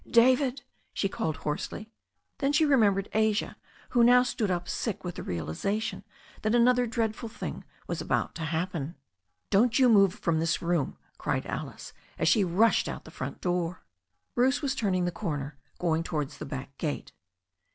"David," she called hoarsely. Then she remembered Asia, who now stood up sick with the realization that another dreadful thing was about ta happen. 194 THE STORY OP A NEW ZEALAND RIVER "Don't you move from this room," cried Alice, as she rushed out of the front door. Bruce was turning the corner, going towards the back gate.